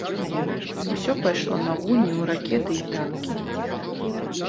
Усё пайшло на гульні ў ракеты й танкі.